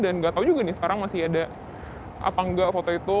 dan gak tau juga nih sekarang masih ada apa enggak foto itu